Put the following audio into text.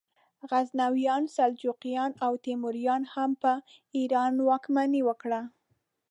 غزنویانو، سلجوقیانو او تیموریانو هم په ایران واکمني وکړه.